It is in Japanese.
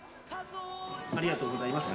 ありがとうございます。